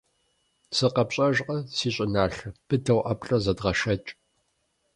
СыкъэпщӀэжкъэ, си щӀыналъэ, быдэу ӀэплӀэ зэдгъэшэкӀ.